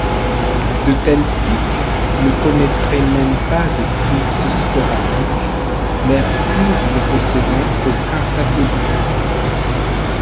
De tels pics ne connaitraient même pas d'éclipses sporadiques, Mercure ne possédant aucun satellite.